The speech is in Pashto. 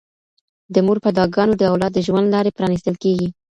د مور په دعاګانو د اولاد د ژوند لارې پرانیستل کيږي.